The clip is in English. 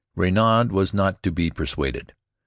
Raynaud was not to be persuaded.